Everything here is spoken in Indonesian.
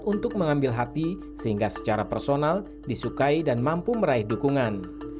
untuk mengambil hati sehingga secara personal disukai dan mampu meraih dukungan